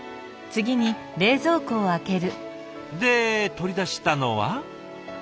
で取り出したのは？